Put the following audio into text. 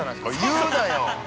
◆言うなよ！